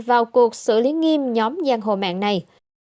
vào cuộc xử lý nghiêm nhóm giang hồ mạng này